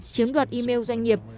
chiếm đoạt email doanh nghiệp